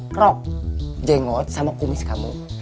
krok jengot sama kumis kamu